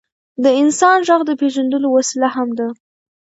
د انسان ږغ د پېژندلو وسیله هم ده.